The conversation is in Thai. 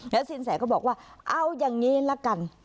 แล้วสินแสก็บอกว่าเอาอย่างนี้ละกัน